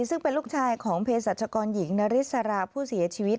ซึ่งเป็นลูกชายของเพศรัชกรหญิงนริสราผู้เสียชีวิต